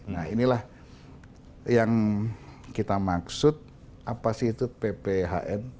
nah inilah yang kita maksud apa sih itu pphn